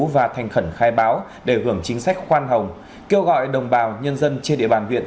và thành khẩn khai báo để hưởng chính sách khoan hồng kêu gọi đồng bào nhân dân trên địa bàn huyện